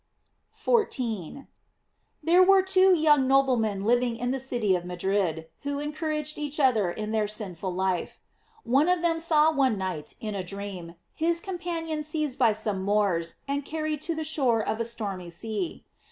* 14. — There were two young noblemen living in the city of Madrid who encouraged each other in their sinful life. One of them saw one night, in a dream, his companion seized by some Moors and carried to the shore of a stormy sea.